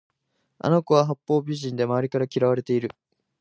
あの子は八方美人で周りから嫌われている